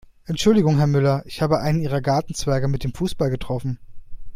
Entschuldigung Herr Müller, ich habe einen Ihrer Gartenzwerge mit dem Fußball getroffen.